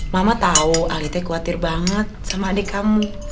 mama tahu alite khawatir banget sama adik kamu